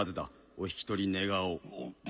お引き取り願おう。